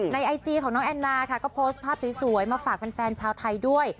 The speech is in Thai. ไอจีของน้องแอนนาค่ะก็โพสต์ภาพสวยมาฝากแฟนชาวไทยด้วย